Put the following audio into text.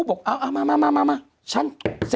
คุณหนุ่มกัญชัยได้เล่าใหญ่ใจความไปสักส่วนใหญ่แล้ว